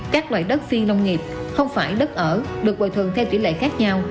các loại đất phiên nông nghiệp không phải đất ở được bồi thường theo trị lệ khác nhau